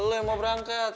lo yang mau berangkat